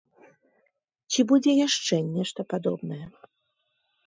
Ці будзе яшчэ нешта падобнае?